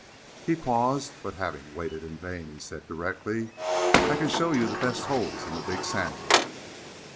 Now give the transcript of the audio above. He paused, but having waited in vain he said directly: "I can show you the best holes in the Big Sandy."